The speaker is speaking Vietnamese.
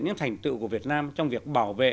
những thành tựu của việt nam trong việc bảo vệ